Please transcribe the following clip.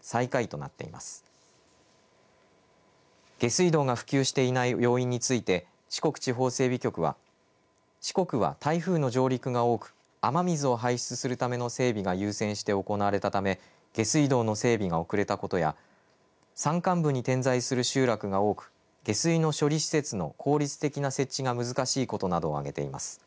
下水道が普及していない要因について四国地方整備局は四国は台風の上陸が多く雨水を排出するための整備が優先して行われたため下水道の整備が遅れたことや山間部に点在する集落が多く下水の処理施設の効率的な設置が難しいことなどを挙げています。